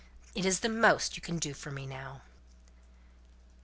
It is the most you can do for me now."